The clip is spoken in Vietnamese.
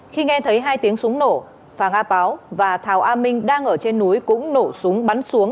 khi nghe thấy hai tiếng súng nổ phà a páo và thảo a minh đang ở trên núi cũng nổ súng bắn xuống